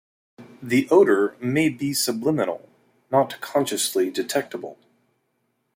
The odor may be subliminal-not consciously detectable.